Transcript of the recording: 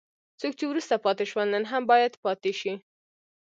څوک چې وروسته پاتې شول نن هم باید پاتې شي.